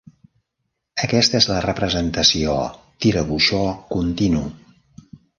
Aquesta és la representació "tirabuixó continu".